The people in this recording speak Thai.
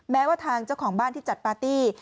แม้ว่าทางเจ้าของบ้านที่จัดปาร์ตี้